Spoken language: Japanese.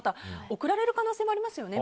送られる可能性もありますよね